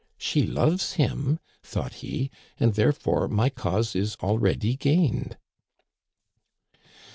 " She loves him," thought he, " and therefore my cause is already gained."